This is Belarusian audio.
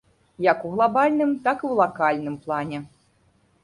Як у глабальным, так і ў лакальным плане.